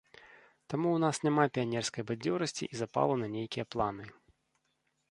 Таму ў нас няма піянерскай бадзёрасці і запалу на нейкія планы.